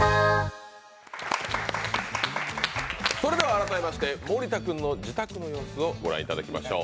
改めまして森田君の自宅の様子をご覧いただきましょう。